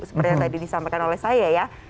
seperti yang tadi disampaikan oleh saya ya